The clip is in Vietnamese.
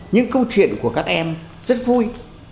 những câu chuyện của các em rất vui